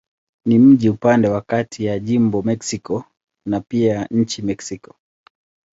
Ni mji upande wa kati ya jimbo Mexico na pia nchi Mexiko.